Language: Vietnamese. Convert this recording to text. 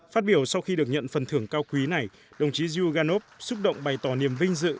phát biểu sau khi được nhận phần thưởng cao quý này đồng chí zhuganov xúc động bày tỏ niềm vinh dự